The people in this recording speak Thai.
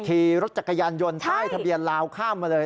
ขี่รถจักรยานยนต์ใต้ทะเบียนลาวข้ามมาเลย